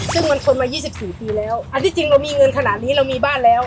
ซึ่งมันทนมา๒๔ปีแล้วอันที่จริงเรามีเงินขนาดนี้เรามีบ้านแล้ว